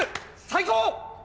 最高！